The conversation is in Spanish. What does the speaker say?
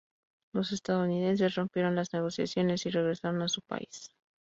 Los estadounidenses rompieron las negociaciones y regresaron a su país.